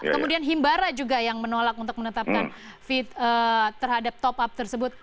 kemudian himbara juga yang menolak untuk menetapkan feed terhadap top up tersebut